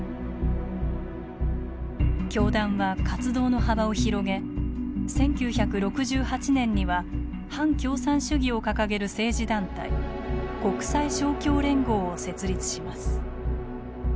教団は活動の幅を広げ１９６８年には反共産主義を掲げる政治団体国際勝共連合を設立します。